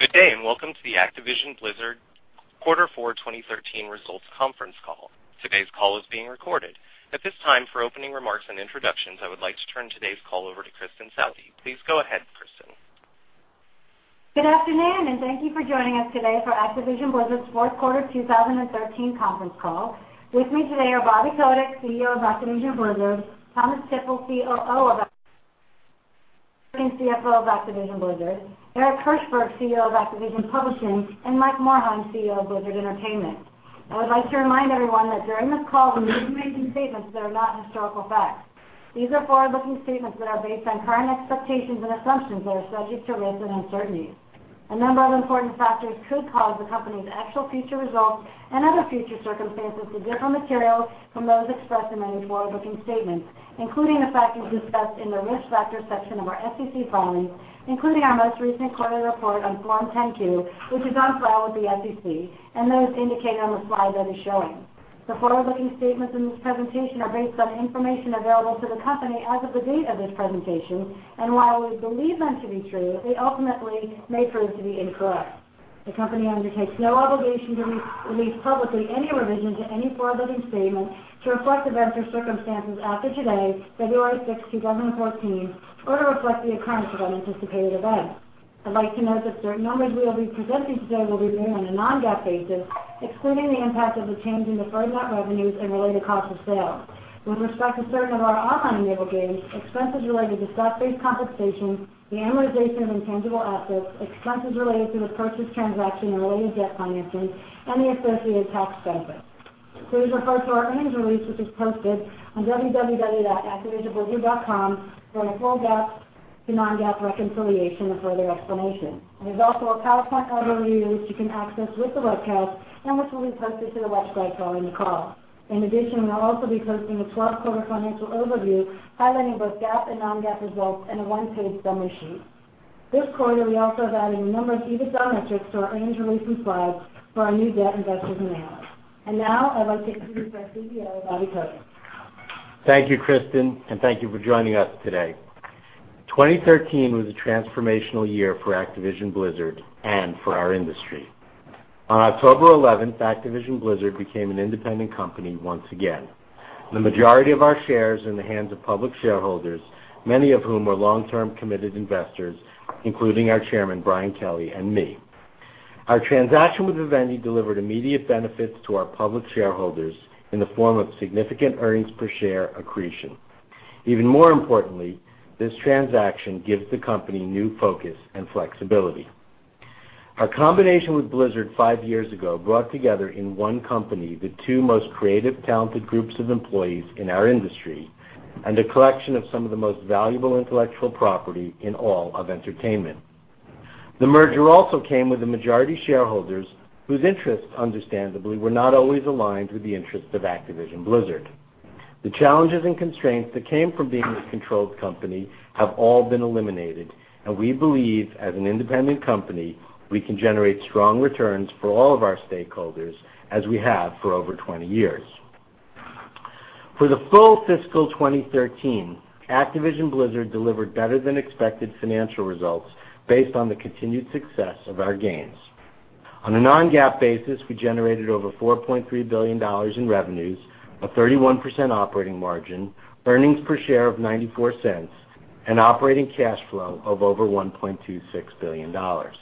Good day, welcome to the Activision Blizzard Quarter Four 2013 Results Conference Call. Today's call is being recorded. At this time, for opening remarks and introductions, I would like to turn today's call over to Kristin Southey. Please go ahead, Kristin. Good afternoon, thank you for joining us today for Activision Blizzard's fourth quarter 2013 conference call. With me today are Bobby Kotick, CEO of Activision Blizzard, Thomas Tippl, COO of Activision Blizzard, Eric Hirshberg, CEO of Activision Publishing, and Mike Morhaime, CEO of Blizzard Entertainment. I would like to remind everyone that during this call, we may be making statements that are not historical facts. These are forward-looking statements that are based on current expectations and assumptions that are subject to risks and uncertainties. A number of important factors could cause the company's actual future results and other future circumstances to differ materially from those expressed in any forward-looking statements, including the factors discussed in the Risk Factor section of our SEC filings, including our most recent quarterly report on Form 10-Q, which is on file with the SEC, those indicated on the slide that is showing. The forward-looking statements in this presentation are based on information available to the company as of the date of this presentation, while we believe them to be true, they ultimately may prove to be incorrect. The company undertakes no obligation to release publicly any revision to any forward-looking statement to reflect events or circumstances after today, February 6th, 2014, or to reflect the occurrence of unanticipated events. I'd like to note that certain numbers we will be presenting today will be made on a non-GAAP basis, excluding the impact of the change in deferred net revenues and related cost of sale. With respect to certain of our online-enabled games, expenses related to stock-based compensation, the amortization of intangible assets, expenses related to a purchase transaction and related debt financing, and the associated tax benefits. Please refer to our earnings release, which is posted on www.activisionblizzard.com for a full GAAP to non-GAAP reconciliation and further explanation. There's also a PowerPoint overview which you can access with the webcast and which will be posted to the website following the call. In addition, we'll also be posting a 12-quarter financial overview highlighting both GAAP and non-GAAP results in a one-page summary sheet. This quarter, we also have added a number of EBITDA metrics to our earnings release and slides for our new debt investors and analysts. Now, I'd like to introduce our CEO, Bobby Kotick. Thank you, Kristin, and thank you for joining us today. 2013 was a transformational year for Activision Blizzard and for our industry. On October 11th, Activision Blizzard became an independent company once again. The majority of our shares are in the hands of public shareholders, many of whom were long-term committed investors, including our chairman, Brian Kelly, and me. Our transaction with Vivendi delivered immediate benefits to our public shareholders in the form of significant earnings per share accretion. Even more importantly, this transaction gives the company new focus and flexibility. Our combination with Blizzard five years ago brought together in one company the two most creative, talented groups of employees in our industry and a collection of some of the most valuable intellectual property in all of entertainment. The merger also came with the majority shareholders whose interests, understandably, were not always aligned with the interests of Activision Blizzard. The challenges and constraints that came from being a controlled company have all been eliminated. We believe as an independent company, we can generate strong returns for all of our stakeholders, as we have for over 20 years. For the full fiscal 2013, Activision Blizzard delivered better than expected financial results based on the continued success of our games. On a non-GAAP basis, we generated over $4.3 billion in revenues, a 31% operating margin, earnings per share of $0.94, and operating cash flow of over $1.26 billion. Our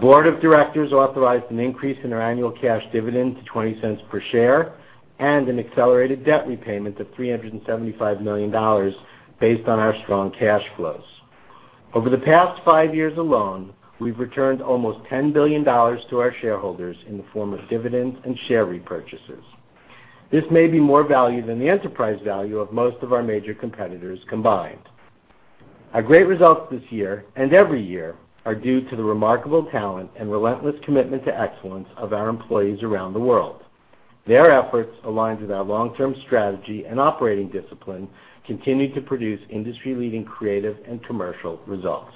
board of directors authorized an increase in our annual cash dividend to $0.20 per share and an accelerated debt repayment of $375 million based on our strong cash flows. Over the past five years alone, we've returned almost $10 billion to our shareholders in the form of dividends and share repurchases. This may be more value than the enterprise value of most of our major competitors combined. Our great results this year and every year are due to the remarkable talent and relentless commitment to excellence of our employees around the world. Their efforts, aligned with our long-term strategy and operating discipline, continue to produce industry-leading creative and commercial results.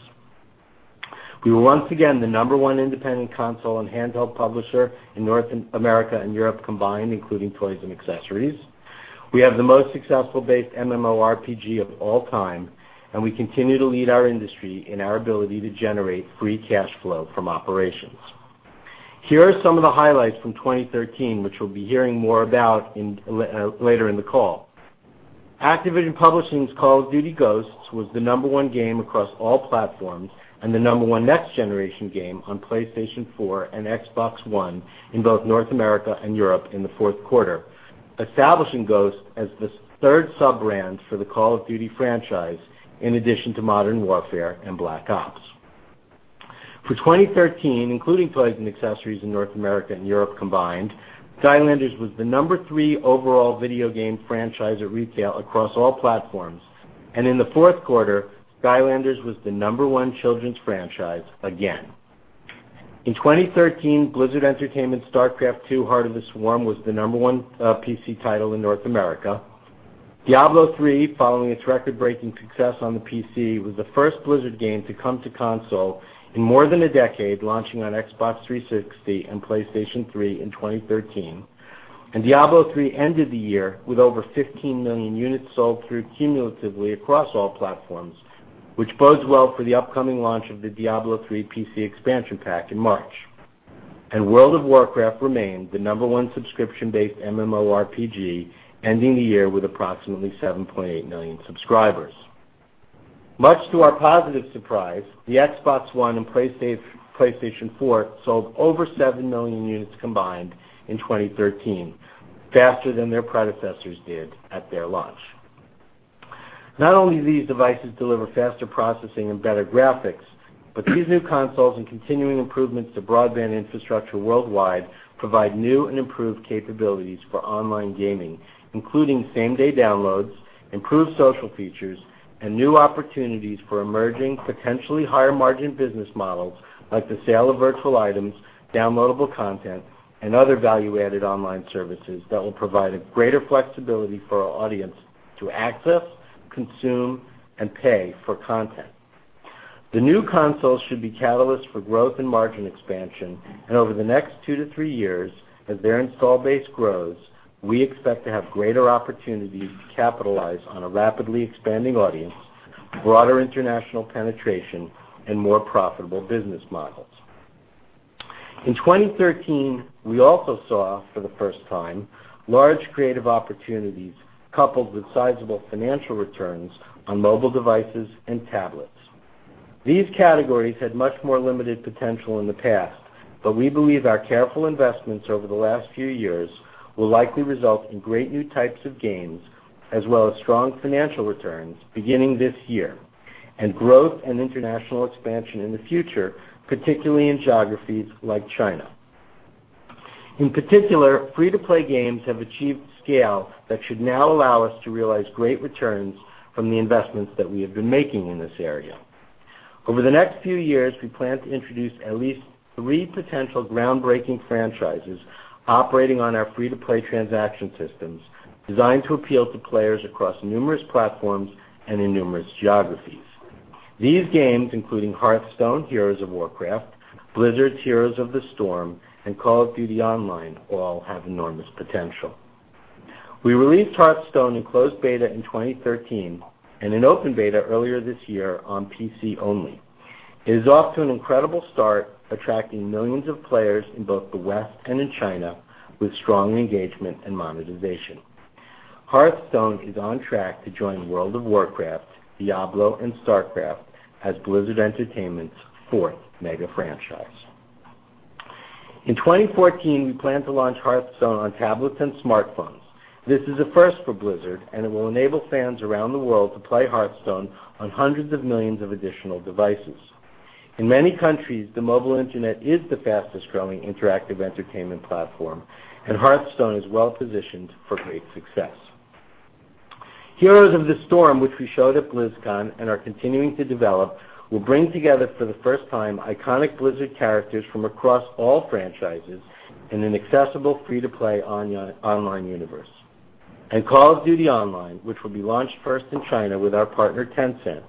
We were once again the number one independent console and handheld publisher in North America and Europe combined, including toys and accessories. We have the most successful base MMORPG of all time. We continue to lead our industry in our ability to generate free cash flow from operations. Here are some of the highlights from 2013, which we'll be hearing more about later in the call. Activision Publishing's "Call of Duty: Ghosts" was the number one game across all platforms and the number one next-generation game on PlayStation 4 and Xbox One in both North America and Europe in the fourth quarter, establishing "Ghosts" as the third sub-brand for the Call of Duty franchise, in addition to Modern Warfare and Black Ops. For 2013, including toys and accessories in North America and Europe combined, Skylanders was the number three overall video game franchise at retail across all platforms, and in the fourth quarter, Skylanders was the number one children's franchise again. In 2013, Blizzard Entertainment's "StarCraft II: Heart of the Swarm" was the number one PC title in North America. Diablo III, following its record-breaking success on the PC, was the first Blizzard game to come to console in more than a decade, launching on Xbox 360 and PlayStation 3 in 2013. Diablo III ended the year with over 15 million units sold through cumulatively across all platforms, which bodes well for the upcoming launch of the Diablo III PC expansion pack in March. World of Warcraft remained the number one subscription-based MMORPG, ending the year with approximately 7.8 million subscribers. Much to our positive surprise, the Xbox One and PlayStation 4 sold over 7 million units combined in 2013, faster than their predecessors did at their launch. Not only do these devices deliver faster processing and better graphics, but these new consoles and continuing improvements to broadband infrastructure worldwide provide new and improved capabilities for online gaming, including same-day downloads, improved social features, and new opportunities for emerging, potentially higher margin business models like the sale of virtual items, downloadable content, and other value-added online services that will provide a greater flexibility for our audience to access, consume, and pay for content. The new consoles should be catalyst for growth and margin expansion, and over the next two to three years, as their install base grows, we expect to have greater opportunities to capitalize on a rapidly expanding audience, broader international penetration, and more profitable business models. In 2013, we also saw for the first time large creative opportunities coupled with sizable financial returns on mobile devices and tablets. These categories had much more limited potential in the past, but we believe our careful investments over the last few years will likely result in great new types of games, as well as strong financial returns beginning this year, and growth and international expansion in the future, particularly in geographies like China. In particular, free-to-play games have achieved scale that should now allow us to realize great returns from the investments that we have been making in this area. Over the next few years, we plan to introduce at least three potential groundbreaking franchises operating on our free-to-play transaction systems, designed to appeal to players across numerous platforms and in numerous geographies. These games, including "Hearthstone: Heroes of Warcraft", Blizzard's "Heroes of the Storm", and "Call of Duty: Online", all have enormous potential. We released "Hearthstone" in closed beta in 2013, in open beta earlier this year on PC only. It is off to an incredible start, attracting millions of players in both the West and in China, with strong engagement and monetization. "Hearthstone" is on track to join "World of Warcraft", "Diablo", and "StarCraft" as Blizzard Entertainment's fourth mega franchise. In 2014, we plan to launch "Hearthstone" on tablets and smartphones. This is a first for Blizzard, and it will enable fans around the world to play "Hearthstone" on hundreds of millions of additional devices. In many countries, the mobile internet is the fastest-growing interactive entertainment platform, and "Hearthstone" is well-positioned for great success. "Heroes of the Storm", which we showed at BlizzCon and are continuing to develop, will bring together for the first time iconic Blizzard characters from across all franchises in an accessible, free-to-play online universe. Call of Duty: Online", which will be launched first in China with our partner Tencent,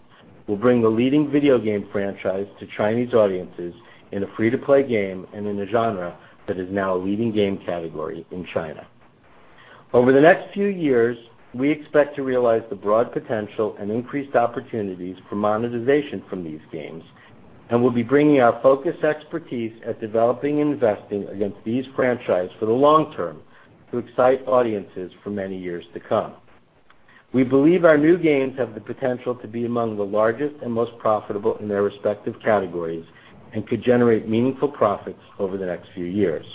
will bring the leading video game franchise to Chinese audiences in a free-to-play game and in a genre that is now a leading game category in China. Over the next few years, we expect to realize the broad potential and increased opportunities for monetization from these games and will be bringing our focused expertise at developing and investing against these franchises for the long term to excite audiences for many years to come. We believe our new games have the potential to be among the largest and most profitable in their respective categories and could generate meaningful profits over the next few years.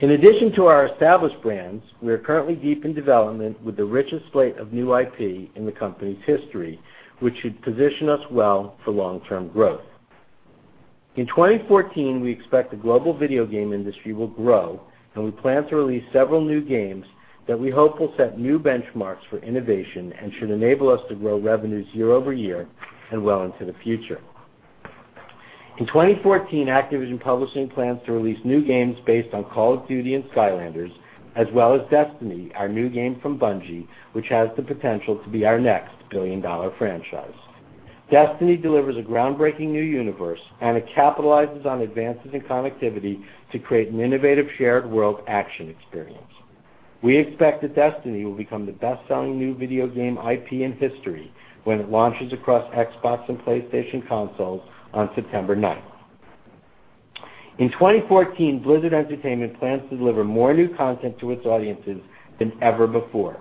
In addition to our established brands, we are currently deep in development with the richest slate of new IP in the company's history, which should position us well for long-term growth. In 2014, we expect the global video game industry will grow, and we plan to release several new games that we hope will set new benchmarks for innovation and should enable us to grow revenues year-over-year and well into the future. In 2014, Activision Publishing plans to release new games based on "Call of Duty" and "Skylanders", as well as "Destiny", our new game from Bungie, which has the potential to be our next billion-dollar franchise. "Destiny" delivers a groundbreaking new universe, and it capitalizes on advances in connectivity to create an innovative shared world action experience. We expect that "Destiny" will become the best-selling new video game IP in history when it launches across Xbox and PlayStation consoles on September 9th. In 2014, Blizzard Entertainment plans to deliver more new content to its audiences than ever before.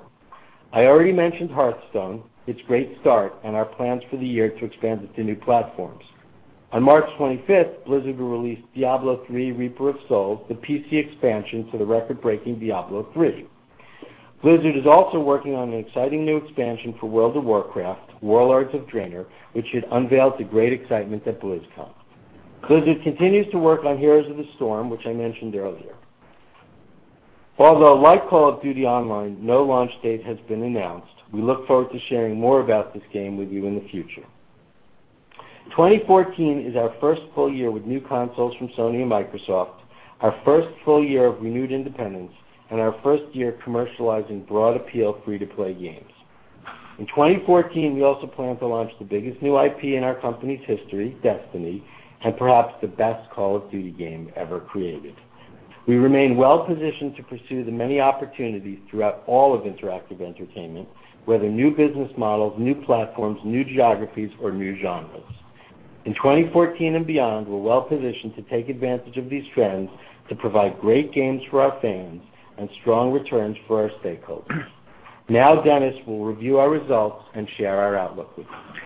I already mentioned "Hearthstone", its great start, and our plans for the year to expand it to new platforms. On March 25th, Blizzard will release "Diablo III: Reaper of Souls", the PC expansion to the record-breaking "Diablo III". Blizzard is also working on an exciting new expansion for "World of Warcraft", "Warlords of Draenor", which it unveiled to great excitement at BlizzCon. Blizzard continues to work on "Heroes of the Storm", which I mentioned earlier. Although like "Call of Duty: Online", no launch date has been announced, we look forward to sharing more about this game with you in the future. 2014 is our first full year with new consoles from Sony and Microsoft, our first full year of renewed independence, and our first year commercializing broad appeal free-to-play games. In 2014, we also plan to launch the biggest new IP in our company's history, Destiny, and perhaps the best Call of Duty game ever created. We remain well-positioned to pursue the many opportunities throughout all of interactive entertainment, whether new business models, new platforms, new geographies, or new genres. In 2014 and beyond, we're well-positioned to take advantage of these trends to provide great games for our fans and strong returns for our stakeholders. Now, Dennis will review our results and share our outlook with you.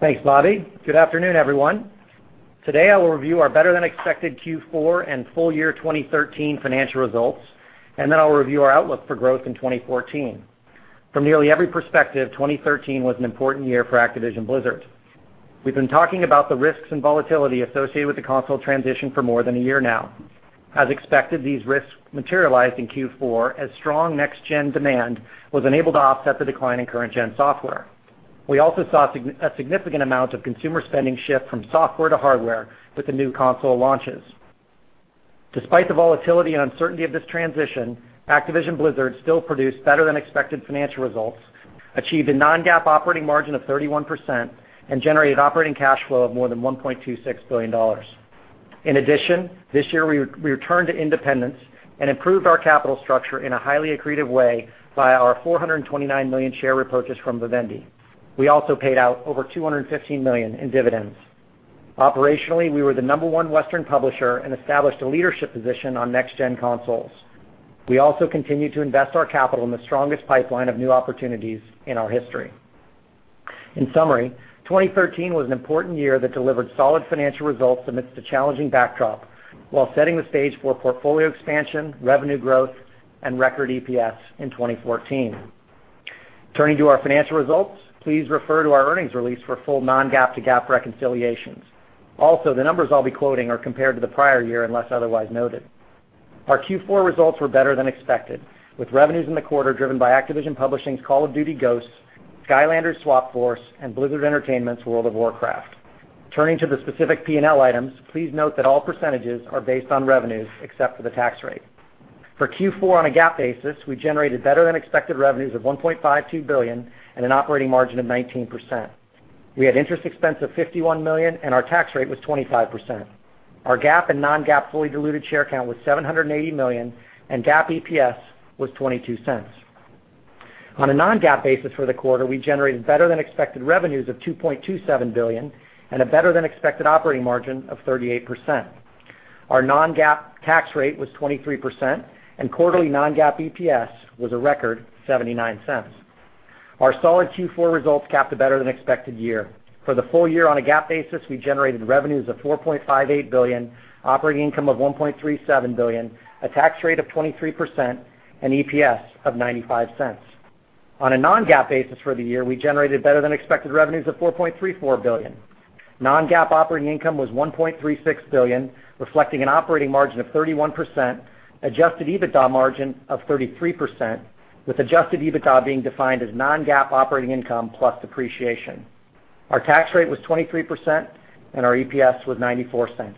Thanks, Bobby. Good afternoon, everyone. Today, I will review our better-than-expected Q4 and full year 2013 financial results, and then I'll review our outlook for growth in 2014. From nearly every perspective, 2013 was an important year for Activision Blizzard. We've been talking about the risks and volatility associated with the console transition for more than a year now. As expected, these risks materialized in Q4 as strong next-gen demand was unable to offset the decline in current-gen software. We also saw a significant amount of consumer spending shift from software to hardware with the new console launches. Despite the volatility and uncertainty of this transition, Activision Blizzard still produced better-than-expected financial results, achieved a non-GAAP operating margin of 31%, and generated operating cash flow of more than $1.26 billion. In addition, this year, we returned to independence and improved our capital structure in a highly accretive way via our 429 million share repurchase from Vivendi. We also paid out over $215 million in dividends. Operationally, we were the number one Western publisher and established a leadership position on next-gen consoles. We also continued to invest our capital in the strongest pipeline of new opportunities in our history. In summary, 2013 was an important year that delivered solid financial results amidst a challenging backdrop while setting the stage for portfolio expansion, revenue growth, and record EPS in 2014. Turning to our financial results, please refer to our earnings release for full non-GAAP to GAAP reconciliations. Also, the numbers I'll be quoting are compared to the prior year, unless otherwise noted. Our Q4 results were better than expected, with revenues in the quarter driven by Activision Publishing's Call of Duty: Ghosts, Skylanders: Swap Force, and Blizzard Entertainment's World of Warcraft. Turning to the specific P&L items, please note that all percentages are based on revenues, except for the tax rate. For Q4 on a GAAP basis, we generated better-than-expected revenues of $1.52 billion and an operating margin of 19%. We had interest expense of $51 million, and our tax rate was 25%. Our GAAP and non-GAAP fully diluted share count was 780 million, and GAAP EPS was $0.22. On a non-GAAP basis for the quarter, we generated better-than-expected revenues of $2.27 billion and a better-than-expected operating margin of 38%. Our non-GAAP tax rate was 23%, and quarterly non-GAAP EPS was a record $0.79. Our solid Q4 results capped a better-than-expected year. For the full year on a GAAP basis, we generated revenues of $4.58 billion, operating income of $1.37 billion, a tax rate of 23%, and EPS of $0.95. On a non-GAAP basis for the year, we generated better-than-expected revenues of $4.34 billion. Non-GAAP operating income was $1.36 billion, reflecting an operating margin of 31%, adjusted EBITDA margin of 33%, with adjusted EBITDA being defined as non-GAAP operating income plus depreciation. Our tax rate was 23%, and our EPS was $0.94.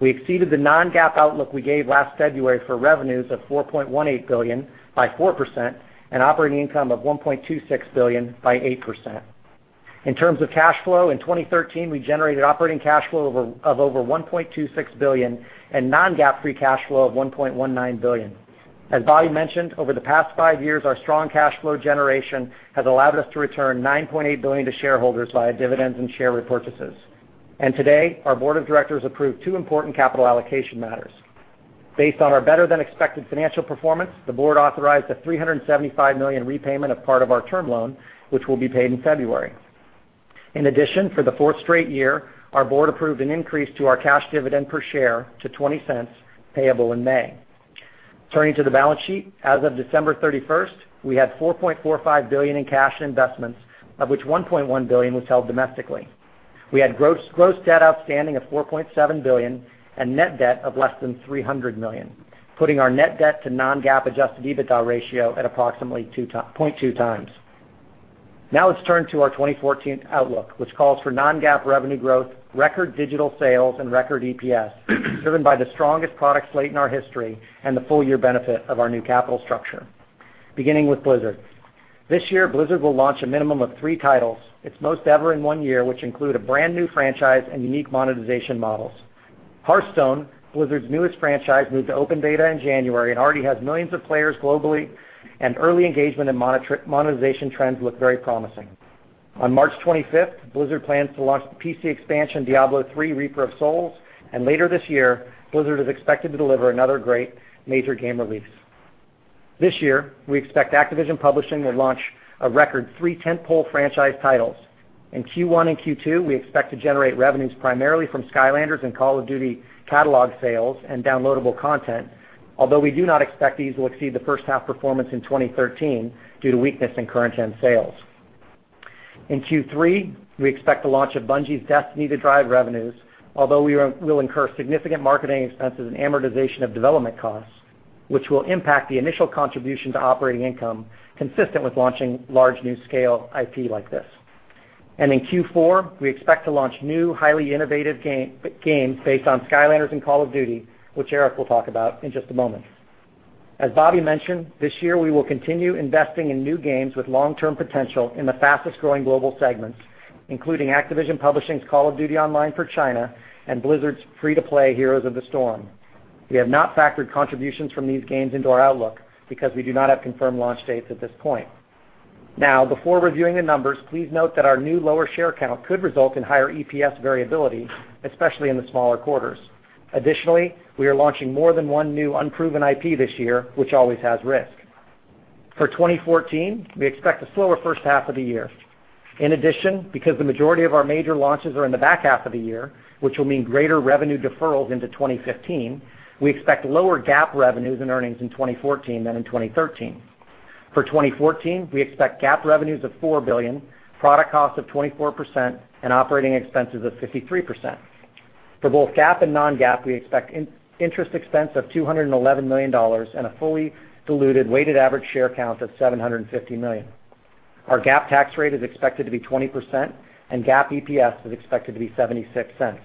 We exceeded the non-GAAP outlook we gave last February for revenues of $4.18 billion by 4% and operating income of $1.26 billion by 8%. In terms of cash flow, in 2013, we generated operating cash flow of over $1.26 billion and non-GAAP free cash flow of $1.19 billion. As Bobby mentioned, over the past five years, our strong cash flow generation has allowed us to return $9.8 billion to shareholders via dividends and share repurchases. Today, our board of directors approved two important capital allocation matters. Based on our better-than-expected financial performance, the board authorized a $375 million repayment of part of our term loan, which will be paid in February. In addition, for the fourth straight year, our board approved an increase to our cash dividend per share to $0.20, payable in May. Turning to the balance sheet, as of December 31st, we had $4.45 billion in cash and investments, of which $1.1 billion was held domestically. We had gross debt outstanding of $4.7 billion and net debt of less than $300 million, putting our net debt to non-GAAP adjusted EBITDA ratio at approximately 0.2 times. Now, let's turn to our 2014 outlook, which calls for non-GAAP revenue growth, record digital sales, and record EPS, driven by the strongest product slate in our history and the full-year benefit of our new capital structure. Beginning with Blizzard. This year, Blizzard will launch a minimum of three titles, its most ever in one year, which include a brand-new franchise and unique monetization models. Hearthstone, Blizzard's newest franchise, moved to open beta in January and already has millions of players globally, and early engagement and monetization trends look very promising. On March 25th, Blizzard plans to launch the PC expansion Diablo III: Reaper of Souls, and later this year, Blizzard is expected to deliver another great major game release. This year, we expect Activision Publishing will launch a record three tent-pole franchise titles. In Q1 and Q2, we expect to generate revenues primarily from Skylanders and Call of Duty catalog sales and downloadable content, although we do not expect these will exceed the first half performance in 2013 due to weakness in current-gen sales. In Q3, we expect the launch of Bungie's Destiny to drive revenues, although we will incur significant marketing expenses and amortization of development costs, which will impact the initial contribution to operating income consistent with launching large new-scale IP like this. In Q4, we expect to launch new, highly innovative games based on Skylanders and Call of Duty, which Eric will talk about in just a moment. As Bobby mentioned, this year we will continue investing in new games with long-term potential in the fastest-growing global segments, including Activision Publishing's Call of Duty: Online for China and Blizzard's free-to-play Heroes of the Storm. We have not factored contributions from these games into our outlook because we do not have confirmed launch dates at this point. Before reviewing the numbers, please note that our new lower share count could result in higher EPS variability, especially in the smaller quarters. Additionally, we are launching more than one new unproven IP this year, which always has risk. For 2014, we expect a slower first half of the year. In addition, because the majority of our major launches are in the back half of the year, which will mean greater revenue deferrals into 2015, we expect lower GAAP revenues and earnings in 2014 than in 2013. For 2014, we expect GAAP revenues of $4 billion, product costs of 24%, and operating expenses of 53%. For both GAAP and non-GAAP, we expect interest expense of $211 million and a fully diluted weighted average share count of 750 million. Our GAAP tax rate is expected to be 20%, and GAAP EPS is expected to be $0.76.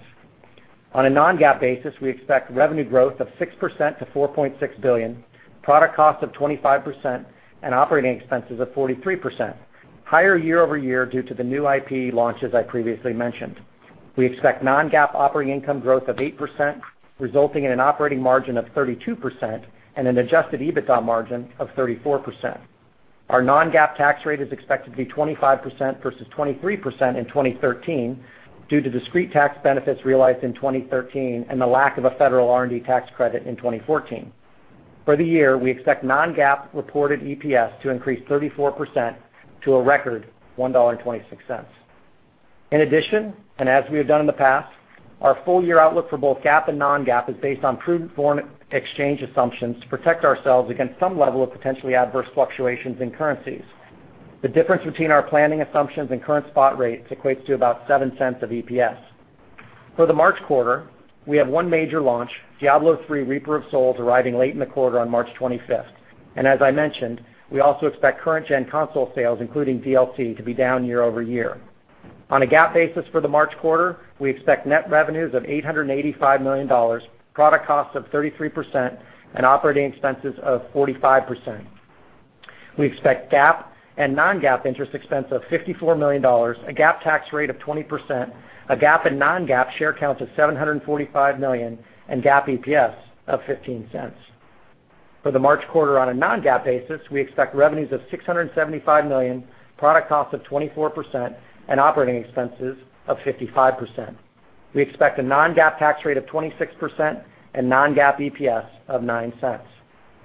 On a non-GAAP basis, we expect revenue growth of 6% to $4.6 billion, product costs of 25%, and operating expenses of 43%, higher year-over-year due to the new IP launches I previously mentioned. We expect non-GAAP operating income growth of 8%, resulting in an operating margin of 32% and an adjusted EBITDA margin of 34%. Our non-GAAP tax rate is expected to be 25% versus 23% in 2013 due to discrete tax benefits realized in 2013 and the lack of a federal R&D tax credit in 2014. For the year, we expect non-GAAP reported EPS to increase 34% to a record $1.26. In addition, and as we have done in the past, our full-year outlook for both GAAP and non-GAAP is based on prudent foreign exchange assumptions to protect ourselves against some level of potentially adverse fluctuations in currencies. The difference between our planning assumptions and current spot rates equates to about $0.07 of EPS. For the March quarter, we have one major launch, Diablo III: Reaper of Souls, arriving late in the quarter on March 25th. As I mentioned, we also expect current-gen console sales, including DLC, to be down year-over-year. On a GAAP basis for the March quarter, we expect net revenues of $885 million, product costs of 33%, and operating expenses of 45%. We expect GAAP and non-GAAP interest expense of $54 million, a GAAP tax rate of 20%, a GAAP and non-GAAP share count of 745 million, and GAAP EPS of $0.15. For the March quarter on a non-GAAP basis, we expect revenues of $675 million, product costs of 24%, and operating expenses of 55%. We expect a non-GAAP tax rate of 26% and non-GAAP EPS of $0.09.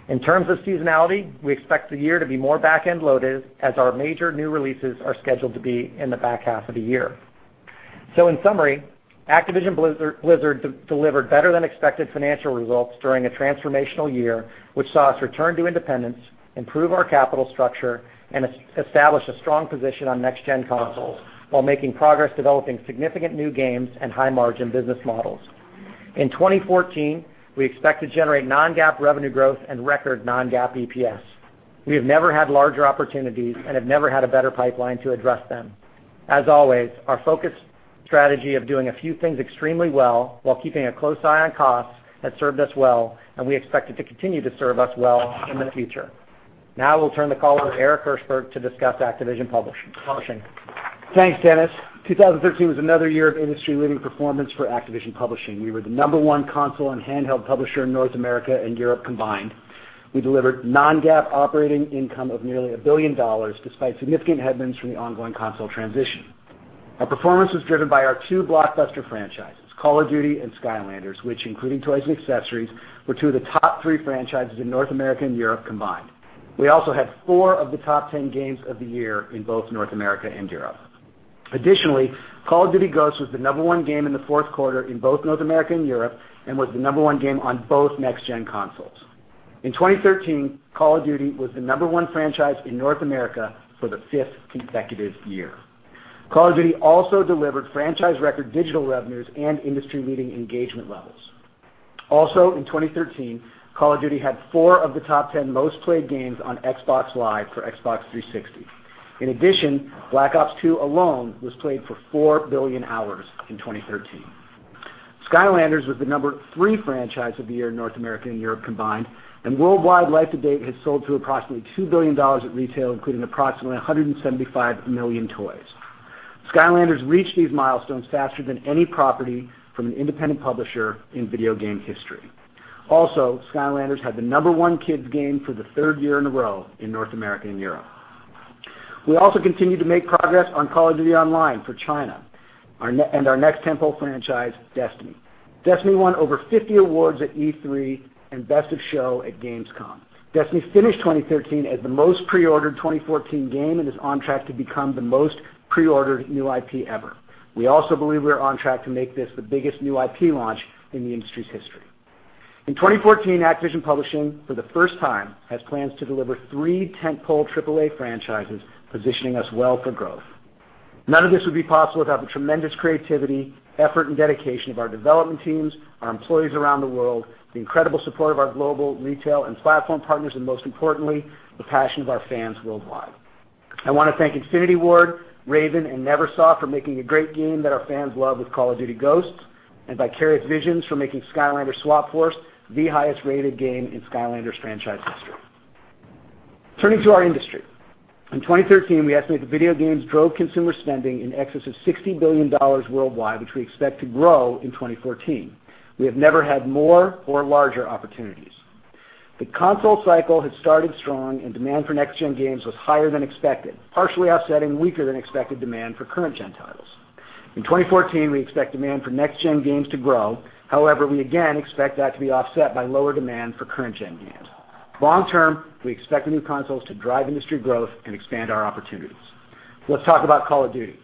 In terms of seasonality, we expect the year to be more back-end loaded as our major new releases are scheduled to be in the back half of the year. In summary, Activision Blizzard delivered better-than-expected financial results during a transformational year, which saw us return to independence, improve our capital structure, and establish a strong position on next-gen consoles while making progress developing significant new games and high-margin business models. In 2014, we expect to generate non-GAAP revenue growth and record non-GAAP EPS. We have never had larger opportunities and have never had a better pipeline to address them. As always, our focused strategy of doing a few things extremely well while keeping a close eye on costs has served us well, and we expect it to continue to serve us well in the future. Now I will turn the call over to Eric Hirshberg to discuss Activision Publishing. Thanks, Dennis. 2013 was another year of industry-leading performance for Activision Publishing. We were the number one console and handheld publisher in North America and Europe combined. We delivered non-GAAP operating income of nearly a billion dollars despite significant headwinds from the ongoing console transition. Our performance was driven by our two blockbuster franchises, Call of Duty and Skylanders, which, including toys and accessories, were two of the top three franchises in North America and Europe combined. We also had four of the top 10 games of the year in both North America and Europe. Additionally, Call of Duty: Ghosts was the number one game in the fourth quarter in both North America and Europe and was the number one game on both next-gen consoles. In 2013, Call of Duty was the number one franchise in North America for the fifth consecutive year. Call of Duty also delivered franchise record digital revenues and industry-leading engagement levels. Also in 2013, Call of Duty had four of the top 10 most-played games on Xbox Live for Xbox 360. In addition, Black Ops II alone was played for four billion hours in 2013. Skylanders was the number three franchise of the year in North America and Europe combined, and worldwide, life to date has sold through approximately $2 billion at retail, including approximately 175 million toys. Skylanders reached these milestones faster than any property from an independent publisher in video game history. Also, Skylanders had the number one kids game for the third year in a row in North America and Europe. We also continued to make progress on Call of Duty Online for China and our next tentpole franchise, Destiny. Destiny won over 50 awards at E3 and Best of Show at Gamescom. Destiny finished 2013 as the most pre-ordered 2014 game and is on track to become the most pre-ordered new IP ever. We also believe we're on track to make this the biggest new IP launch in the industry's history. In 2014, Activision Publishing, for the first time, has plans to deliver three tentpole AAA franchises, positioning us well for growth. None of this would be possible without the tremendous creativity, effort, and dedication of our development teams, our employees around the world, the incredible support of our global retail and platform partners, and most importantly, the passion of our fans worldwide. I want to thank Infinity Ward, Raven, and Neversoft for making a great game that our fans love with Call of Duty: Ghosts, and Vicarious Visions for making Skylanders Swap Force the highest-rated game in Skylanders franchise history. Turning to our industry. In 2013, we estimate that video games drove consumer spending in excess of $60 billion worldwide, which we expect to grow in 2014. We have never had more or larger opportunities. The console cycle has started strong, and demand for next-gen games was higher than expected, partially offsetting weaker-than-expected demand for current-gen titles. In 2014, we expect demand for next-gen games to grow. However, we again expect that to be offset by lower demand for current-gen games. Long term, we expect the new consoles to drive industry growth and expand our opportunities. Let's talk about Call of Duty.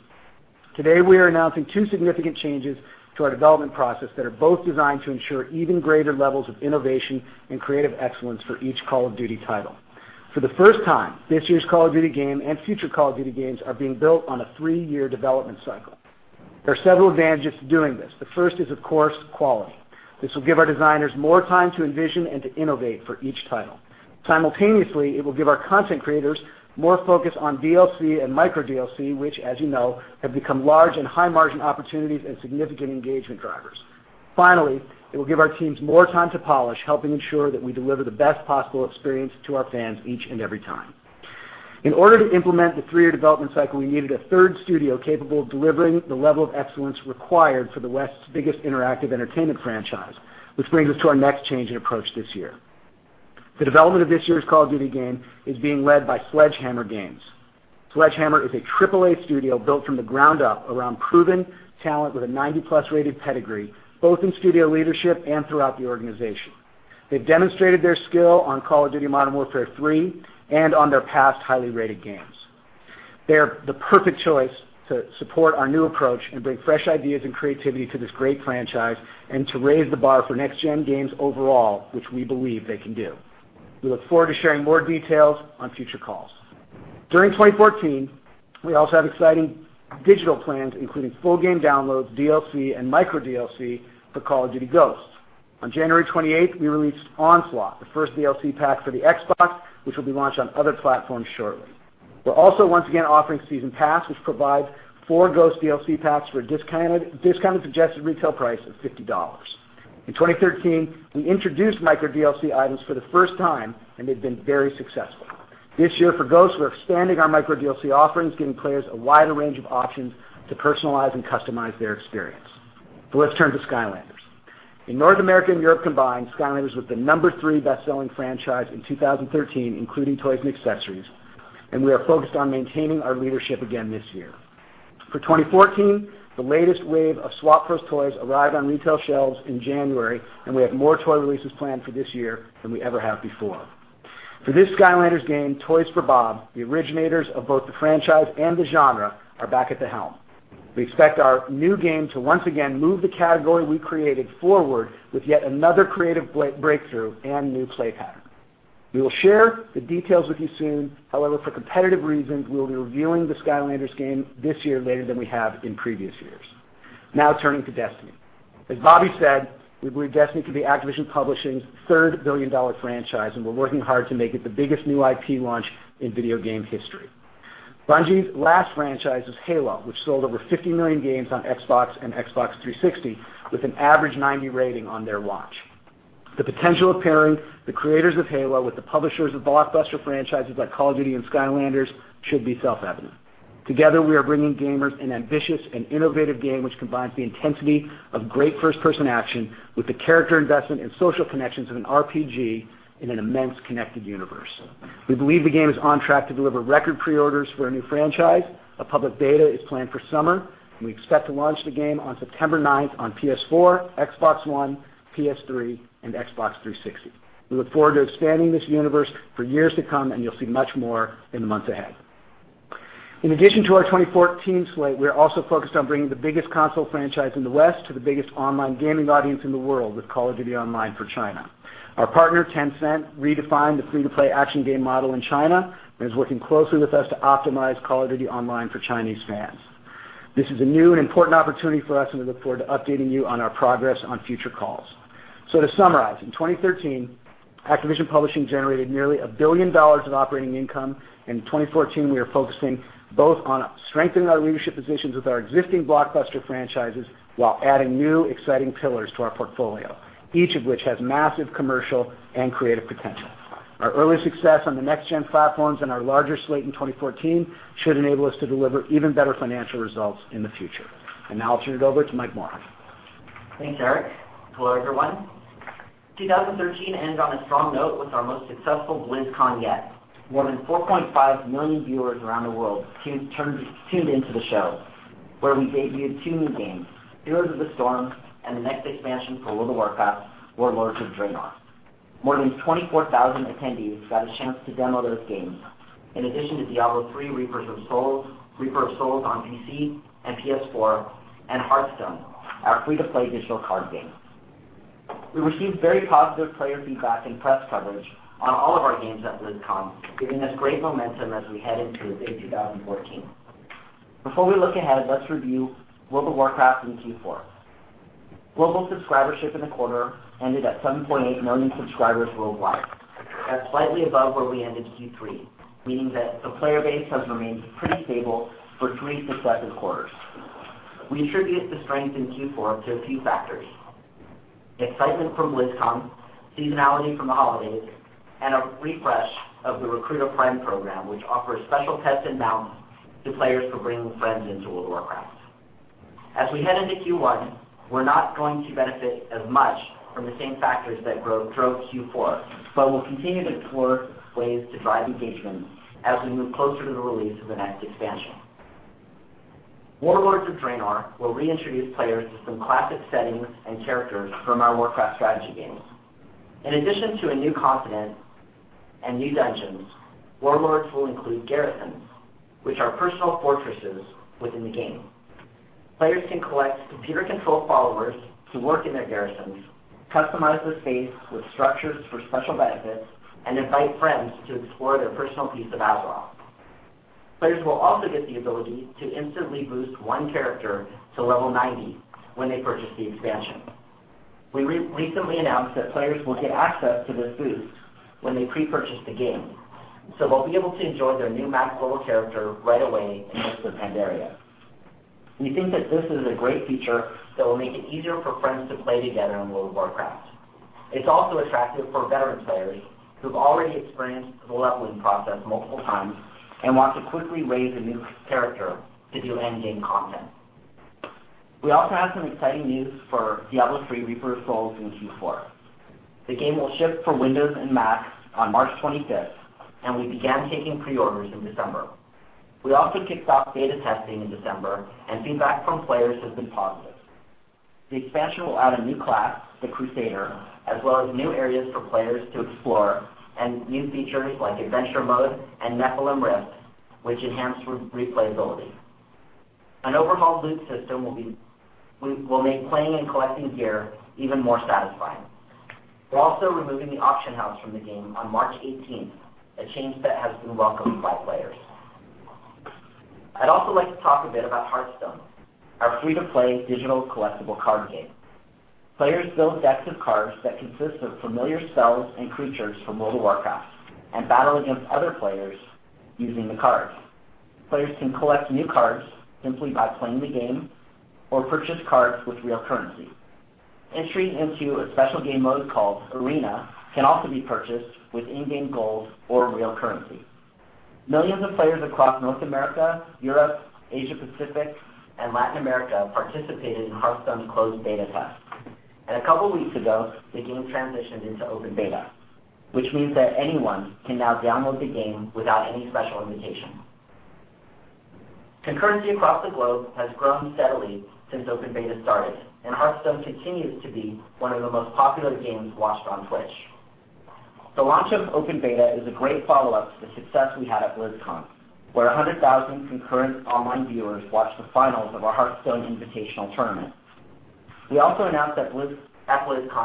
Today, we are announcing two significant changes to our development process that are both designed to ensure even greater levels of innovation and creative excellence for each Call of Duty title. For the first time, this year's Call of Duty game and future Call of Duty games are being built on a three-year development cycle. There are several advantages to doing this. The first is, of course, quality. This will give our designers more time to envision and to innovate for each title. Simultaneously, it will give our content creators more focus on DLC and micro DLC, which, as you know, have become large and high-margin opportunities and significant engagement drivers. Finally, it will give our teams more time to polish, helping ensure that we deliver the best possible experience to our fans each and every time. In order to implement the three-year development cycle, we needed a third studio capable of delivering the level of excellence required for the West's biggest interactive entertainment franchise, which brings us to our next change in approach this year. The development of this year's Call of Duty game is being led by Sledgehammer Games. Sledgehammer is a AAA studio built from the ground up around proven talent with a 90-plus-rated pedigree, both in studio leadership and throughout the organization. They've demonstrated their skill on Call of Duty: Modern Warfare 3 and on their past highly rated games. They're the perfect choice to support our new approach and bring fresh ideas and creativity to this great franchise and to raise the bar for next-gen games overall, which we believe they can do. We look forward to sharing more details on future calls. During 2014, we also have exciting digital plans, including full game downloads, DLC, and micro DLC for Call of Duty: Ghosts. On January 28th, we released Onslaught, the first DLC pack for the Xbox, which will be launched on other platforms shortly. We're also once again offering Season Pass, which provides four Ghosts DLC packs for a discounted suggested retail price of $50. In 2013, we introduced micro DLC items for the first time, and they've been very successful. This year for Ghosts, we're expanding our micro DLC offerings, giving players a wider range of options to personalize and customize their experience. Let's turn to Skylanders. In North America and Europe combined, Skylanders was the number three best-selling franchise in 2013, including toys and accessories, and we are focused on maintaining our leadership again this year. For 2014, the latest wave of Swap Force toys arrived on retail shelves in January, and we have more toy releases planned for this year than we ever have before. For this Skylanders game, Toys for Bob, the originators of both the franchise and the genre, are back at the helm. We expect our new game to once again move the category we created forward with yet another creative breakthrough and new play pattern. We will share the details with you soon. For competitive reasons, we'll be reviewing the Skylanders game this year later than we have in previous years. Turning to Destiny. As Bobby said, we believe Destiny could be Activision Publishing's third billion-dollar franchise, and we're working hard to make it the biggest new IP launch in video game history. Bungie's last franchise was Halo, which sold over 50 million games on Xbox and Xbox 360 with an average 90 rating on their watch. The potential of pairing the creators of Halo with the publishers of blockbuster franchises like Call of Duty and Skylanders should be self-evident. Together, we are bringing gamers an ambitious and innovative game which combines the intensity of great first-person action with the character investment and social connections of an RPG in an immense connected universe. We believe the game is on track to deliver record pre-orders for a new franchise. A public beta is planned for summer, we expect to launch the game on September 9th on PS4, Xbox One, PS3, and Xbox 360. We look forward to expanding this universe for years to come, you'll see much more in the months ahead. In addition to our 2014 slate, we are also focused on bringing the biggest console franchise in the West to the biggest online gaming audience in the world with Call of Duty Online for China. Our partner, Tencent, redefined the free-to-play action game model in China, is working closely with us to optimize Call of Duty Online for Chinese fans. This is a new and important opportunity for us, we look forward to updating you on our progress on future calls. To summarize, in 2013, Activision Publishing generated nearly $1 billion of operating income. In 2014, we are focusing both on strengthening our leadership positions with our existing blockbuster franchises while adding new exciting pillars to our portfolio, each of which has massive commercial and creative potential. Our early success on the next-gen platforms and our larger slate in 2014 should enable us to deliver even better financial results in the future. I'll turn it over to Mike Morhaime. Thanks, Eric. Hello, everyone. 2013 ended on a strong note with our most successful BlizzCon yet. More than 4.5 million viewers around the world tuned into the show where we debuted two new games, Heroes of the Storm and the next expansion for World of Warcraft, Warlords of Draenor. More than 24,000 attendees got a chance to demo those games in addition to Diablo III: Reaper of Souls on PC and PS4 and Hearthstone, our free-to-play digital card game. We received very positive player feedback and press coverage on all of our games at BlizzCon, giving us great momentum as we head into a big 2014. Before we look ahead, let's review World of Warcraft in Q4. Global subscribership in the quarter ended at 7.8 million subscribers worldwide. That's slightly above where we ended Q3, meaning that the player base has remained pretty stable for three successive quarters. We attribute the strength in Q4 to a few factors: the excitement from BlizzCon, seasonality from the holidays, and a refresh of the Recruit a Friend program, which offers special pets and mounts to players for bringing friends into World of Warcraft. As we head into Q1, we're not going to benefit as much from the same factors that drove Q4, but we'll continue to explore ways to drive engagement as we move closer to the release of the next expansion. Warlords of Draenor will reintroduce players to some classic settings and characters from our Warcraft strategy games. In addition to a new continent and new dungeons, Warlords will include garrisons, which are personal fortresses within the game. Players can collect computer-controlled followers to work in their garrisons, customize the space with structures for special benefits, and invite friends to explore their personal piece of Azeroth. Players will also get the ability to instantly boost one character to level 90 when they purchase the expansion. We recently announced that players will get access to this boost when they pre-purchase the game, so they'll be able to enjoy their new max-level character right away in the Mists of Pandaria. We think that this is a great feature that will make it easier for friends to play together in World of Warcraft. It's also attractive for veteran players who've already experienced the leveling process multiple times and want to quickly raise a new character to do end-game content. We also have some exciting news for Diablo III: Reaper of Souls in Q4. The game will ship for Windows and Mac on March 25th, and we began taking pre-orders in December. We also kicked off beta testing in December, and feedback from players has been positive. The expansion will add a new class, the Crusader, as well as new areas for players to explore and new features like Adventure Mode and Nephalem Rifts, which enhance replayability. An overhauled loot system will make playing and collecting gear even more satisfying. We're also removing the Auction House from the game on March 18th, a change that has been welcomed by players. I'd also like to talk a bit about Hearthstone, our free-to-play digital collectible card game. Players build decks of cards that consist of familiar spells and creatures from World of Warcraft and battle against other players using the cards. Players can collect new cards simply by playing the game or purchase cards with real currency. Entry into a special game mode called Arena can also be purchased with in-game gold or real currency. Millions of players across North America, Europe, Asia-Pacific, and Latin America participated in Hearthstone's closed beta test. A couple weeks ago, the game transitioned into open beta, which means that anyone can now download the game without any special invitation. Concurrency across the globe has grown steadily since open beta started, and Hearthstone continues to be one of the most popular games watched on Twitch. The launch of open beta is a great follow-up to the success we had at BlizzCon, where 100,000 concurrent online viewers watched the finals of our Hearthstone invitational tournament. We also announced at BlizzCon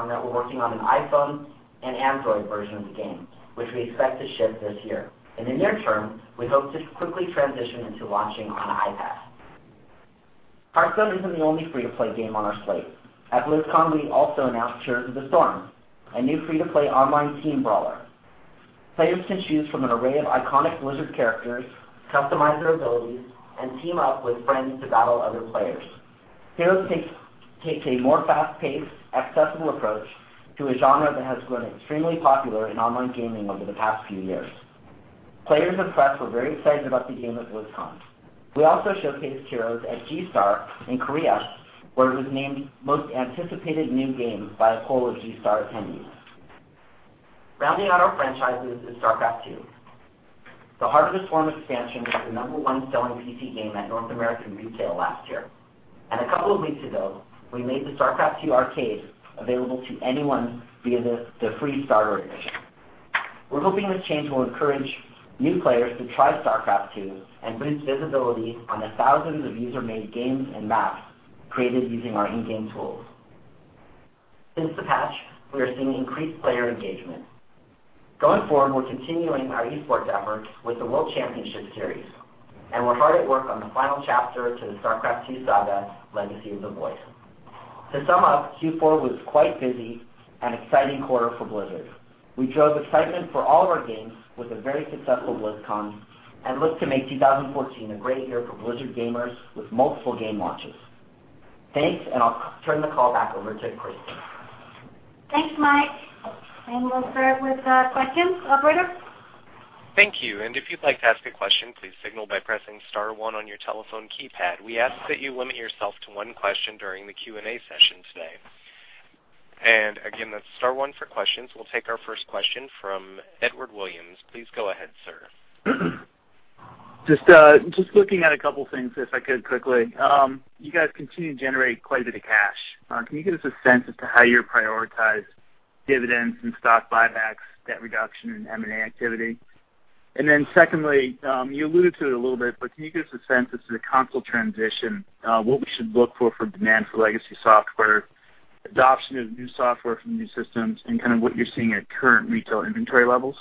that we're working on an iPhone and Android version of the game, which we expect to ship this year. In the near term, we hope to quickly transition into launching on iPad. Hearthstone isn't the only free-to-play game on our slate. At BlizzCon, we also announced Heroes of the Storm, a new free-to-play online team brawler. Players can choose from an array of iconic Blizzard characters, customize their abilities, and team up with friends to battle other players. Heroes takes a more fast-paced, accessible approach to a genre that has grown extremely popular in online gaming over the past few years. Players and press were very excited about the game at BlizzCon. We also showcased Heroes at G-Star in Korea, where it was named Most Anticipated New Game by a poll of G-Star attendees. Rounding out our franchises is StarCraft II. The Heart of the Swarm expansion was the number one selling PC game at North American retail last year. A couple of weeks ago, we made the StarCraft II Arcade available to anyone via the free starter edition. We're hoping this change will encourage new players to try StarCraft II and boost visibility on the thousands of user-made games and maps created using our in-game tools. Since the patch, we are seeing increased player engagement. Going forward, we're continuing our esports efforts with the World Championship Series, we're hard at work on the final chapter to the StarCraft II saga, Legacy of the Void. To sum up, Q4 was quite busy and exciting quarter for Blizzard. We drove excitement for all of our games with a very successful BlizzCon and look to make 2014 a great year for Blizzard gamers with multiple game launches. Thanks, I'll turn the call back over to Kristin. Thanks, Mike. We'll start with questions. Operator? Thank you. If you'd like to ask a question, please signal by pressing *1 on your telephone keypad. We ask that you limit yourself to one question during the Q&A session today. Again, that's *1 for questions. We'll take our first question from Edward Williams. Please go ahead, sir. Just looking at a couple of things, if I could quickly. You guys continue to generate quite a bit of cash. Can you give us a sense as to how you prioritize dividends and stock buybacks, debt reduction, and M&A activity? Secondly, you alluded to it a little bit, but can you give us a sense as to the console transition, what we should look for demand for legacy software, adoption of new software from new systems, and what you're seeing at current retail inventory levels?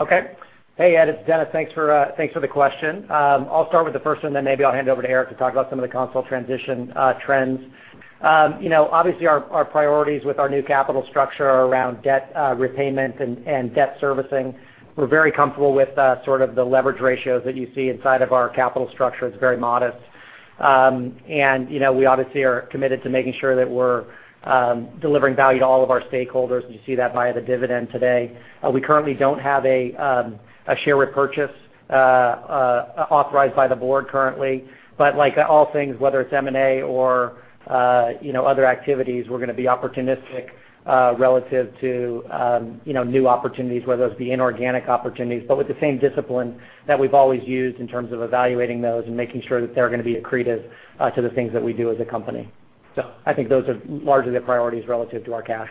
Okay. Hey, Ed, it's Dennis. Thanks for the question. I'll start with the first one, then maybe I'll hand it over to Eric to talk about some of the console transition trends. Obviously, our priorities with our new capital structure are around debt repayment and debt servicing. We're very comfortable with the leverage ratios that you see inside of our capital structure. It's very modest. We obviously are committed to making sure that we're delivering value to all of our stakeholders, and you see that via the dividend today. We currently don't have a share repurchase authorized by the board currently, but like all things, whether it's M&A or other activities, we're going to be opportunistic relative to new opportunities, whether those be inorganic opportunities, but with the same discipline that we've always used in terms of evaluating those and making sure that they're going to be accretive to the things that we do as a company. I think those are largely the priorities relative to our cash.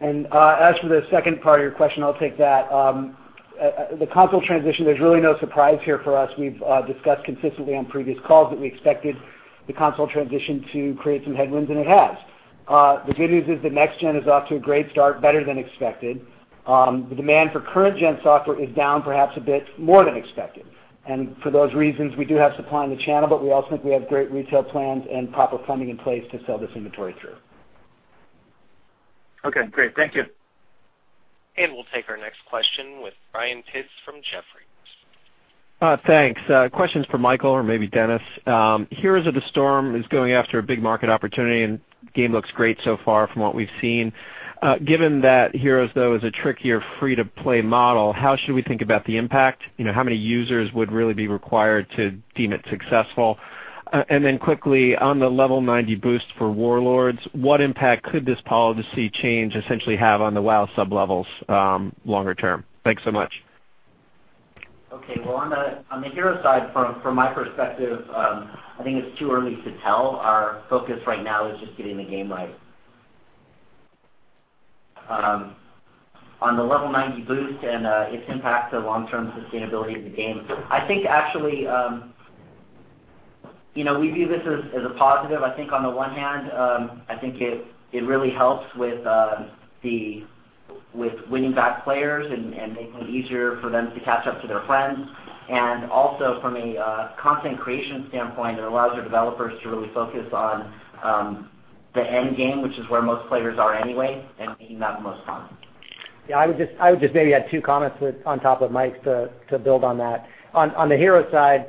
As for the second part of your question, I'll take that. The console transition, there's really no surprise here for us. We've discussed consistently on previous calls that we expected the console transition to create some headwinds, and it has. The good news is that next-gen is off to a great start, better than expected. The demand for current-gen software is down perhaps a bit more than expected. For those reasons, we do have supply in the channel, but we also think we have great retail plans and proper planning in place to sell this inventory through. Okay, great. Thank you. We'll take our next question with Brian Pitz from Jefferies. Thanks. Question's for Michael or maybe Dennis. Heroes of the Storm is going after a big market opportunity, the game looks great so far from what we've seen. Given that Heroes, though, is a trickier free-to-play model, how should we think about the impact? How many users would really be required to deem it successful? Then quickly, on the level 90 boost for Warlords, what impact could this policy change essentially have on the WoW sub levels longer term? Thanks so much. Okay, well, on the Hero side, from my perspective, I think it's too early to tell. Our focus right now is just getting the game right. On the level 90 boost and its impact to long-term sustainability of the game, I think actually, we view this as a positive. I think on the one hand, I think it really helps with winning back players and making it easier for them to catch up to their friends. Also from a content creation standpoint, it allows our developers to really focus on the end game, which is where most players are anyway, and making that the most fun. I would just maybe add two comments on top of Mike's to build on that. On the Hero side,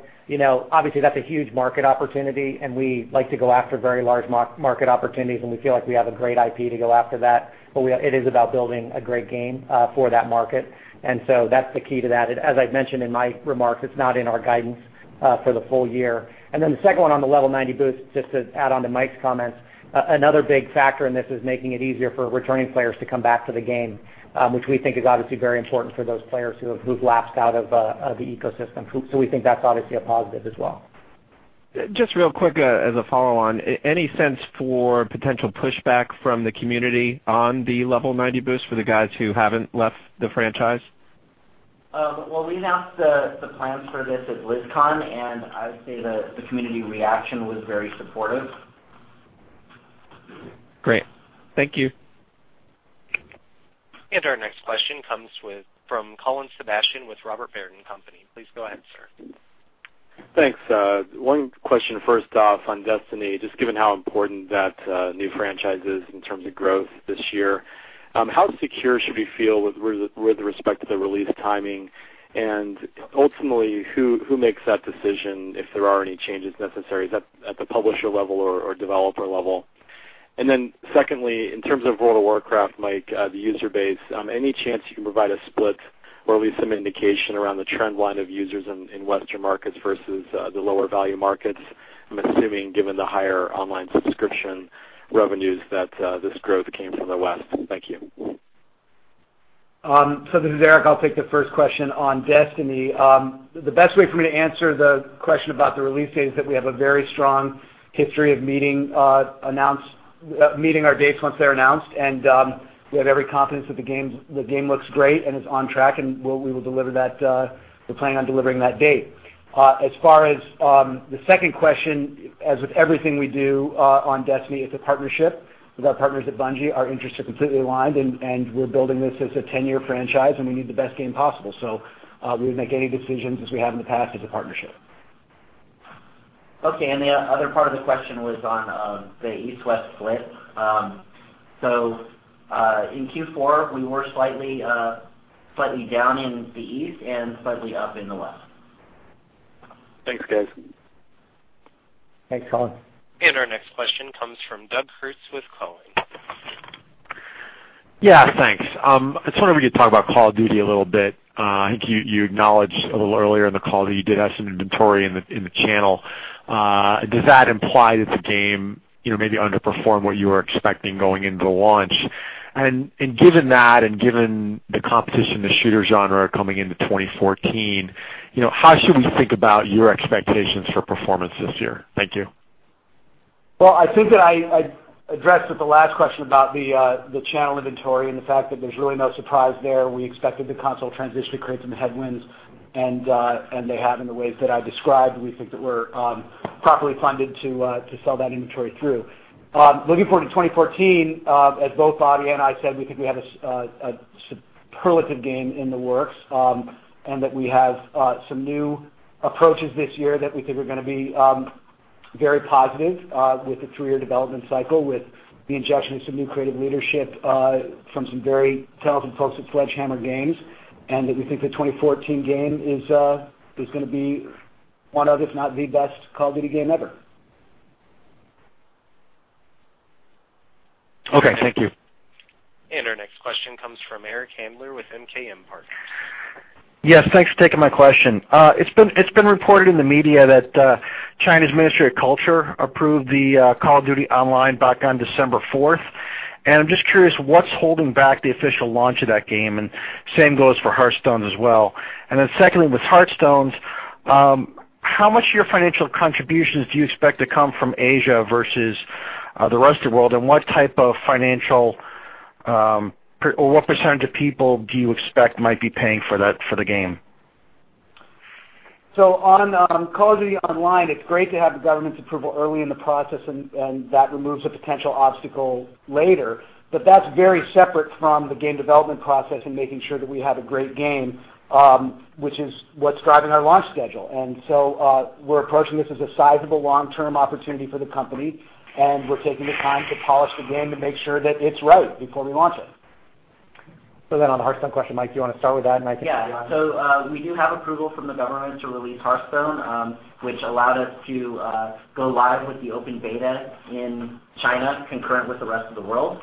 obviously that's a huge market opportunity, and we like to go after very large market opportunities, and we feel like we have a great IP to go after that, but it is about building a great game for that market. That's the key to that. As I've mentioned in my remarks, it's not in our guidance for the full year. The second one on the level 90 boost, just to add on to Mike's comments, another big factor in this is making it easier for returning players to come back to the game, which we think is obviously very important for those players who've lapsed out of the ecosystem. We think that's obviously a positive as well. Just real quick as a follow-on, any sense for potential pushback from the community on the level 90 boost for the guys who haven't left the franchise? Well, we announced the plans for this at BlizzCon, I'd say the community reaction was very supportive. Great. Thank you. Our next question comes from Colin Sebastian with Robert Baird & Co. Please go ahead, sir. Thanks. One question first off on Destiny, just given how important that new franchise is in terms of growth this year. How secure should we feel with respect to the release timing? Ultimately, who makes that decision if there are any changes necessary? Is that at the publisher level or developer level? Secondly, in terms of World of Warcraft, Mike, the user base, any chance you can provide a split or at least some indication around the trend line of users in Western markets versus the lower value markets? I'm assuming given the higher online subscription revenues that this growth came from the West. Thank you. This is Eric. I'll take the first question on Destiny. The best way for me to answer the question about the release date is that we have a very strong history of meeting our dates once they're announced, we have every confidence that the game looks great and is on track, we're planning on delivering that date. As far as the second question, as with everything we do on Destiny, it's a partnership with our partners at Bungie. Our interests are completely aligned, we're building this as a 10-year franchise, and we need the best game possible. We would make any decisions as we have in the past as a partnership. Okay, the other part of the question was on the East-West split. In Q4, we were slightly down in the East and slightly up in the West. Thanks, guys. Thanks, Colin. Our next question comes from Doug Creutz with Cowen. Yeah, thanks. I just wonder if we could talk about Call of Duty a little bit. I think you acknowledged a little earlier in the call that you did have some inventory in the channel. Does that imply that the game maybe underperformed what you were expecting going into launch? Given that and given the competition in the shooter genre coming into 2014, how should we think about your expectations for performance this year? Thank you. Well, I think that I addressed with the last question about the channel inventory and the fact that there's really no surprise there. We expected the console transition to create some headwinds, and they have in the ways that I described. We think that we're properly funded to sell that inventory through. Looking forward to 2014, as both Bobby and I said, we think we have a superlative game in the works, that we have some new approaches this year that we think are going to be very positive with the three-year development cycle, with the injection of some new creative leadership from some very talented folks at Sledgehammer Games. That we think the 2014 game is going to be one of, if not the best, Call of Duty game ever. Okay. Thank you. Our next question comes from Eric Handler with MKM Partners. Yes, thanks for taking my question. It's been reported in the media that China's Ministry of Culture approved the Call of Duty Online back on December 4th, I'm just curious what's holding back the official launch of that game, same goes for Hearthstone as well. Then secondly, with Hearthstone, how much of your financial contributions do you expect to come from Asia versus the rest of the world? What type of financial, or what % of people do you expect might be paying for the game? On Call of Duty Online, it's great to have the government's approval early in the process. That removes a potential obstacle later. That's very separate from the game development process and making sure that we have a great game, which is what's driving our launch schedule. We're approaching this as a sizable long-term opportunity for the company, and we're taking the time to polish the game to make sure that it's right before we launch it. On the Hearthstone question, Mike, do you want to start with that? We do have approval from the government to release Hearthstone, which allowed us to go live with the open beta in China concurrent with the rest of the world.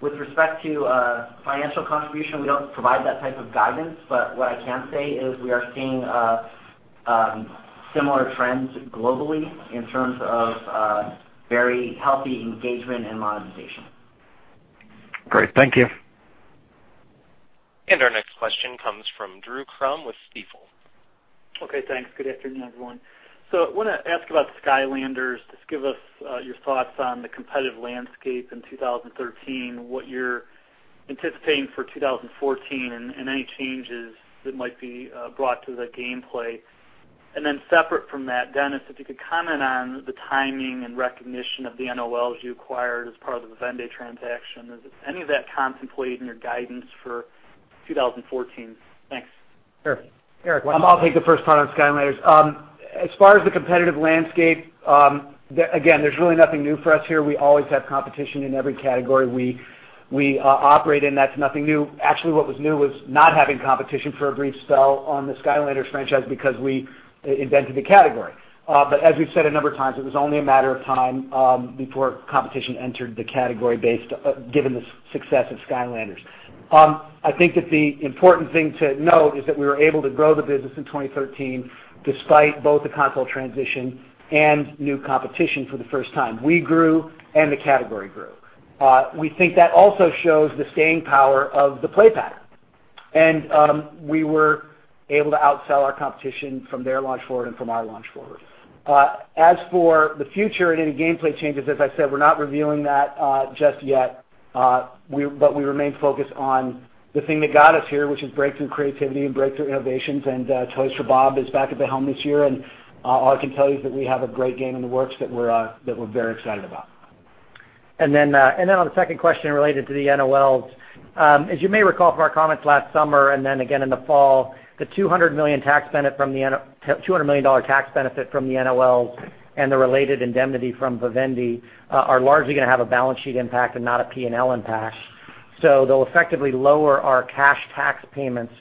With respect to financial contribution, we don't provide that type of guidance, but what I can say is we are seeing similar trends globally in terms of very healthy engagement and monetization. Great. Thank you. Our next question comes from Drew Crum with Stifel. Okay, thanks. Good afternoon, everyone. I want to ask about Skylanders. Just give us your thoughts on the competitive landscape in 2013, what you're anticipating for 2014, and any changes that might be brought to the gameplay. Separate from that, Dennis, if you could comment on the timing and recognition of the NOLs you acquired as part of the Vivendi transaction. Is any of that contemplated in your guidance for 2014? Thanks. Eric? I'll take the first part on Skylanders. As far as the competitive landscape, again, there's really nothing new for us here. We always have competition in every category we operate in. That's nothing new. Actually, what was new was not having competition for a brief spell on the Skylanders franchise because we invented the category. As we've said a number of times, it was only a matter of time before competition entered the category given the success of Skylanders. I think that the important thing to note is that we were able to grow the business in 2013 despite both the console transition and new competition for the first time. We grew, and the category grew. We think that also shows the staying power of the play pattern. We were able to outsell our competition from their launch forward and from our launch forward. As for the future and any gameplay changes, as I said, we're not revealing that just yet. We remain focused on the thing that got us here, which is breakthrough creativity and breakthrough innovations. Toys for Bob is back at the helm this year, and all I can tell you is that we have a great game in the works that we're very excited about. On the second question related to the NOLs. As you may recall from our comments last summer and again in the fall, the $200 million tax benefit from the NOLs and the related indemnity from Vivendi are largely going to have a balance sheet impact and not a P&L impact. They'll effectively lower our cash tax payments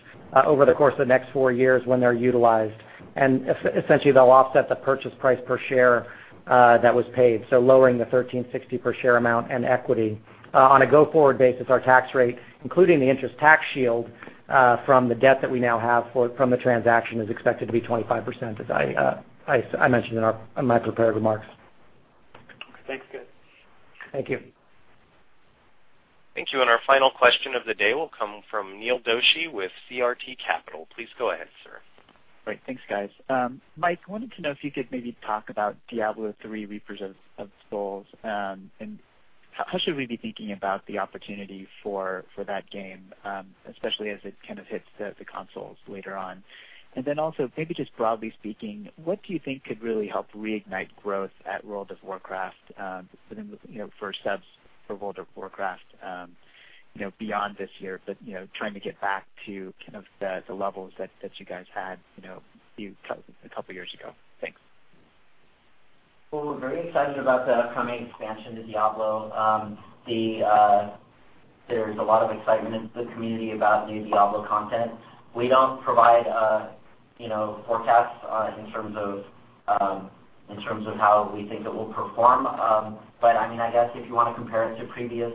over the course of the next four years when they're utilized. Essentially, they'll offset the purchase price per share that was paid, lowering the $13.60 per share amount and equity. On a go-forward basis, our tax rate, including the interest tax shield from the debt that we now have from the transaction, is expected to be 25%, as I mentioned in my prepared remarks. Thanks. Good. Thank you. Thank you. Our final question of the day will come from Neil Doshi with CRT Capital. Please go ahead, sir. Great. Thanks, guys. Mike, wanted to know if you could maybe talk about Diablo III: Reaper of Souls, and how should we be thinking about the opportunity for that game, especially as it hits the consoles later on. Also, maybe just broadly speaking, what do you think could really help reignite growth at World of Warcraft for subs for World of Warcraft beyond this year, but trying to get back to the levels that you guys had a couple of years ago. Thanks. Well, we're very excited about the upcoming expansion to Diablo. There's a lot of excitement in the community about new Diablo content. We don't provide forecasts in terms of how we think it will perform. I guess if you want to compare it to previous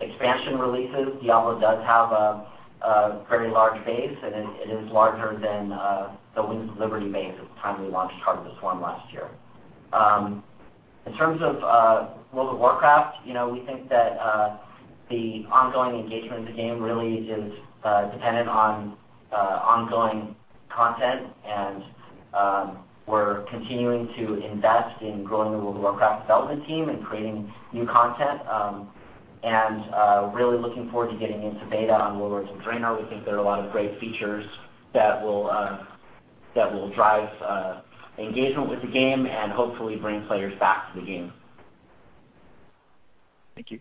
expansion releases, Diablo does have a very large base, and it is larger than the Wings of Liberty base at the time we launched Heart of the Swarm last year. In terms of World of Warcraft, we think that the ongoing engagement of the game really is dependent on ongoing content, and we're continuing to invest in growing the World of Warcraft development team and creating new content and really looking forward to getting into beta on Warlords of Draenor. We think there are a lot of great features that will drive engagement with the game and hopefully bring players back to the game. Thank you.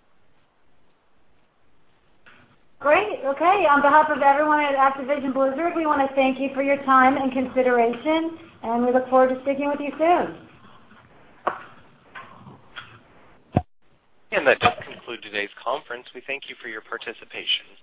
Great. Okay. On behalf of everyone at Activision Blizzard, we want to thank you for your time and consideration, we look forward to speaking with you soon. That does conclude today's conference. We thank you for your participation.